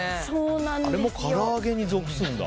あれもから揚げに属すんだ。